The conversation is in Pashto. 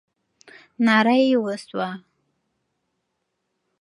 ناره یې وسوه.